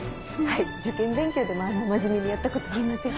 はい受験勉強でもあんな真面目にやったことありません。